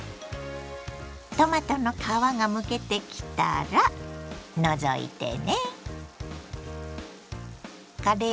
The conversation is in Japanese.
トマトの皮がむけてきたら除いてね。